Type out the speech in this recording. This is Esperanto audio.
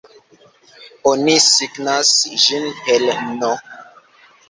Oni signas ĝin per "n!